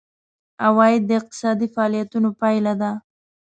عواید د اقتصادي فعالیتونو پایله ده.